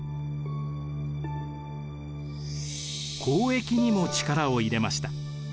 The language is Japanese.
交易にも力を入れました。